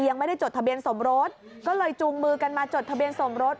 ยังไม่ได้จดทะเบียนสมรสก็เลยจูงมือกันมาจดทะเบียนสมรส